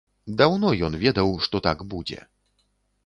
Даўно ён ведаў, што так будзе.